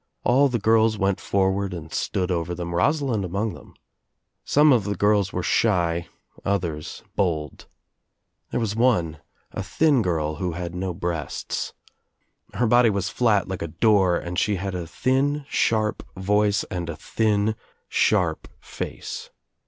All the girls went \\ forward and stood over them, Rosalind among thi ne of the girls were shy, others bold. There 1 :, a thin girl who had no breasts. Her body 1 I 236 THE TfilUMPH OF THE EGOJ flat like a door and she had a thin sharp voice and a thin sharp face.